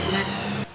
jadi tuh ruh ini